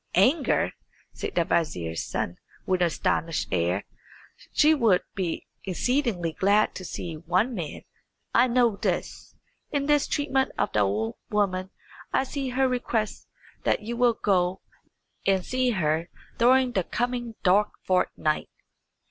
"Anger?" said the vizier's son, with an astonished air. "She would be exceedingly glad to see one man. I know this. In this treatment of the old woman I see her request that you will go and see her during the coming dark fortnight."